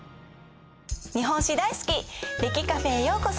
日本史大好き歴Ｃａｆｅへようこそ！